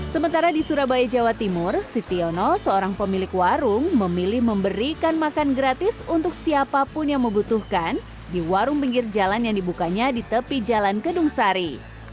sementara di surabaya jawa timur sitiono seorang pemilik warung memilih memberikan makan gratis untuk siapapun yang membutuhkan di warung pinggir jalan yang dibukanya di tepi jalan kedung sari